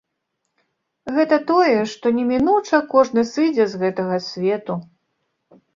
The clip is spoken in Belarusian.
Гэта тое, што немінуча кожны сыдзе з гэтага свету.